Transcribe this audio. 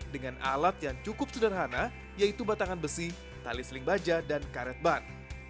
dengan alat yang cukup sederhana yaitu batangan besi tali seling baja dan karet ban